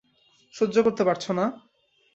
সহ্য করতে পারছ না?